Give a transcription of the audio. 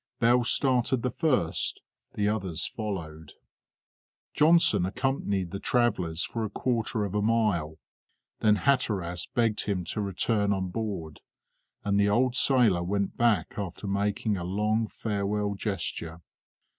Bell started the first; the others followed. Johnson accompanied the travellers for a quarter of a mile, then Hatteras begged him to return on board, and the old sailor went back after making a long farewell gesture.